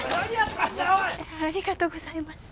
ありがとうございます。